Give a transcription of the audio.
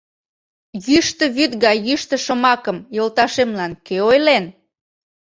Йӱштӧ вӱд гай йӱштӧ шомакым йолташемлан кӧ ойлен?